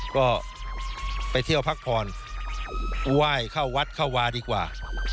ก็ไปเที่ยวพักผ่อนไหว้เข้าวัดเข้าวาดีกว่า